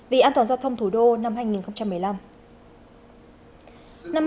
vì an toàn giao thông thủ đô năm hai nghìn một mươi năm